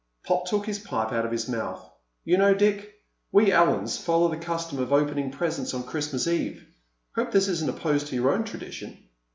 Pop took his pipe out of his mouth. "You know, Dick, we Allens follow the custom of opening presents on Christmas Eve. Hope this isn't opposed to your own tradition."